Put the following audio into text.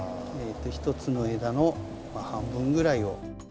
一つの枝の半分ぐらいを。